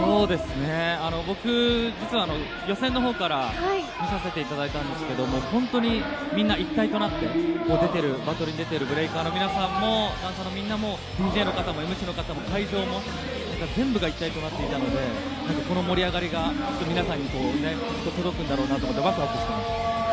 僕、実は予選の方から見させていただいたんですけど本当にみんな一体となって、バトルに出ているブレイカーの皆さんも、ダンサーのみんなもＤＪの方もＭＣの方も会場も全部が一体となっていたので、この盛り上がりが皆さんにきっと届くんだろうなと思って、わくわくしています。